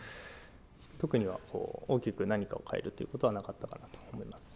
特には大きく何かを変えるということはなかったかなと思います。